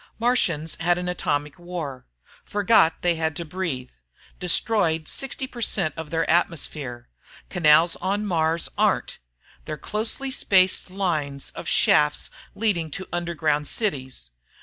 Martians had an atomic war forgot they had to breathe ... destroyed 60 per cent of their atmosphere ... canals on Mars aren't ... they're closely spaced line of shafts leading to underground cities